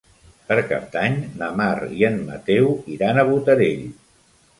Per Cap d'Any na Mar i en Mateu iran a Botarell.